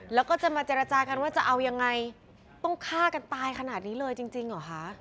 แล้วก็จะมาเจรจากันว่าจะเอายังไงต้องฆ่ากันตายขนาดนี้เลยจริงเหรอคะ